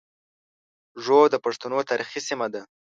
ږوب د پښتنو تاریخي سیمه ده